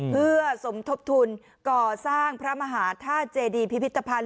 เพื่อสมทบทุนก่อสร้างพระมหาธาตุเจดีพิพิธภัณฑ์